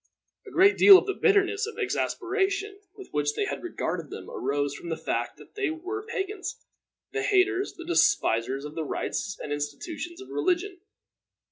A great deal of the bitterness of exasperation with which they had regarded them arose from the fact that they were pagans, the haters and despisers of the rites and institutions of religion.